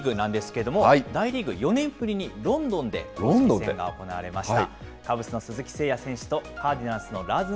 けさはまずは大リーグなんですけれども、大リーグ、４年ぶりにロンドンで公式戦が行われました。